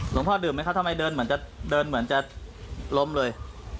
พ่อดื่มไหมคะทำไมเดินเหมือนจะเดินเหมือนจะล้มเลย